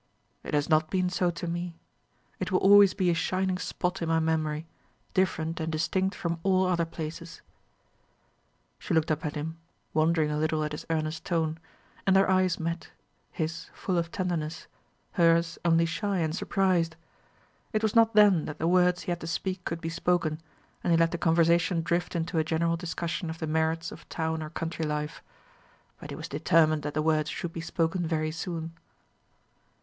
"It has not been so to me. It will always be a shining spot in my memory, different and distinct from all other places." She looked up at him, wondering a little at his earnest tone, and their eyes met his full of tenderness, hers only shy and surprised. It was not then that the words he had to speak could be spoken, and he let the conversation drift into a general discussion of the merits of town or country life. But he was determined that the words should be spoken very soon.